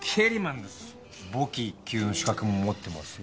簿記１級の資格も持ってますよ。